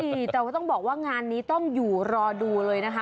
ใช่แต่ว่าต้องบอกว่างานนี้ต้องอยู่รอดูเลยนะคะ